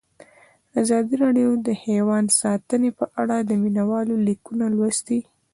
ازادي راډیو د حیوان ساتنه په اړه د مینه والو لیکونه لوستي.